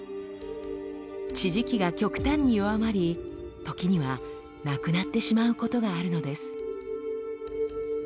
地磁気が極端に弱まり時にはなくなってしまうことがあるのです。